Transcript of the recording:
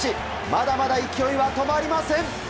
まだまだ勢いは止まりません。